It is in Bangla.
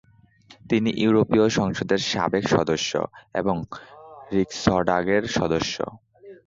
তিনি ইউরোপীয় সংসদের সাবেক সদস্য এবং রিকসডাগের সদস্য।